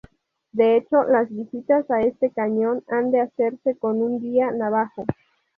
De hecho, las visitas a este cañón han de hacerse con un guía navajo.